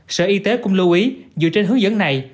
sở y tế cũng lưu ý dựa trên hướng dẫn này